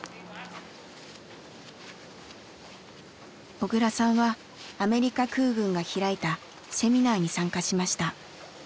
小倉さんはアメリカ空軍が開いたセミナーに参加しました。